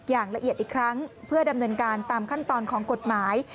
อย่างละเอียดอีกครั้งเพื่อดำเนินการตามขั้นตอนของกฎหมาย